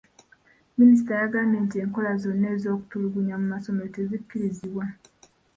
Minisita yagambye nti enkola zonna ez'okutulugunya mu masomero tezikkirizibwa.